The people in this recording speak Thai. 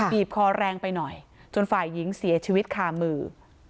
บีบคอแรงไปหน่อยจนฝ่ายหญิงเสียชีวิตคามือ